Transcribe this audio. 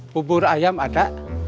bubur ayam ada